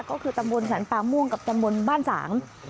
ก็คือตำบลสรรปาม่วงกับตำบลบ้านสาง